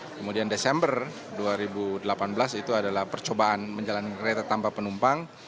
kemudian desember dua ribu delapan belas itu adalah percobaan menjalankan kereta tanpa penumpang